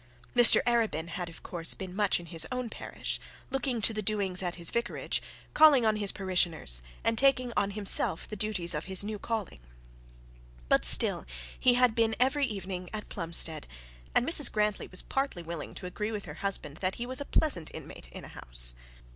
Mr Arabin had of course been much in his own parish, looking to the doings at his vicarage, calling on his parishioners, and taking on himself the duties of his new calling. But still he had been every evening at Plumstead, and Mrs Grantly was partly willing to agree with her husband that he was a pleasant inmate in a house.